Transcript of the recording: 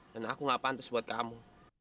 dan aku tidak pantas buat kamu